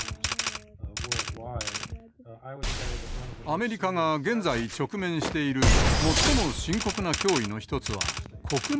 アメリカが現在直面している最も深刻な脅威の一つは国内にあります。